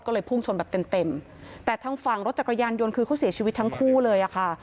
ก็เลยพุ่งชนแบบเต็มเต็มแต่ทางฝั่งรถจักรยานยนต์คือเขาเสียชีวิตทั้งคู่เลยอะค่ะ